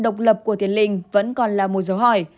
độc lập của thiên linh vẫn còn là một dấu hỏi